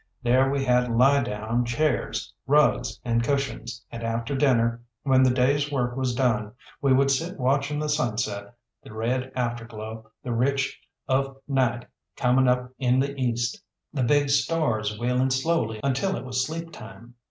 There we had lie down chairs, rugs, and cushions; and after dinner, when the day's work was done, we would sit watching the sunset, the red afterglow, the rich of night come up in the east, the big stars wheeling slowly until it was sleep time.